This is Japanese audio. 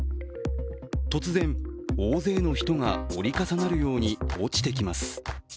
突然、大勢の人が折り重なるように落ちてきます。